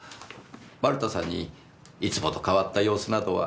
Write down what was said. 丸田さんにいつもと変わった様子などは？